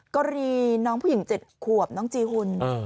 กรีน้องผู้หญิงเจ็ดขวบน้องจีฮุน